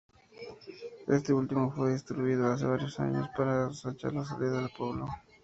Este último fue destruido hace varios años para ensanchar la salida del pueblo.